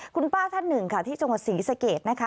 คุณป้าท่านหนึ่งค่ะที่จังหวัดศรีสะเกดนะคะ